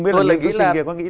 tôi nghĩ là